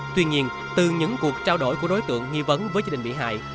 tuy nhiên từ những cuộc trao đổi của đối tượng nghi vấn với gia đình bị hại